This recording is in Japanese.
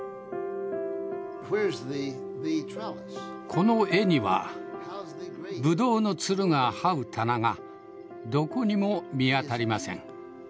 この絵にはブドウのツルが這う棚がどこにも見当たりません。